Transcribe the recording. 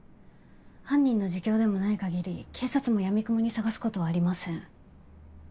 犯人の自供でもない限り警察も闇雲に探すことはありません。